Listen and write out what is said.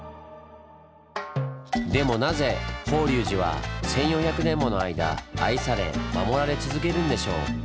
でもなぜ法隆寺は１４００年もの間愛され守られ続けるんでしょう？